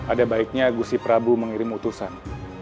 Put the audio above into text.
ada baiknya gusti prabu mengirim keputusan